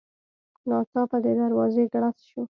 ناڅاپه د دروازې ګړز شو.